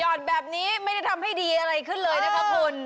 อดแบบนี้ไม่ได้ทำให้ดีอะไรขึ้นเลยนะคะคุณ